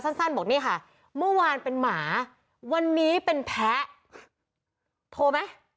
สั้นบอกนี่ค่ะเมื่อวานเป็นหมาวันนี้เป็นแพ้โทรไหม